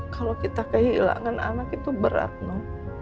kalau kita kehilangan anak itu berat no